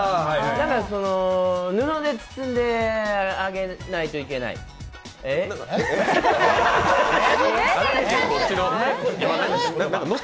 だから布で包んであげないといけない、えーっ？